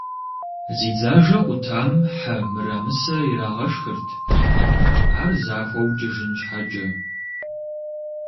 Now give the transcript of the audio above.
Зи дзажэ къутам хьэ мырамысэ ирагъэшхырт, ар захуэу кӏыжын щхьэкӏэ.